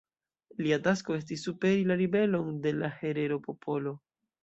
Lia tasko estis superi la ribelon de la herero-popolo.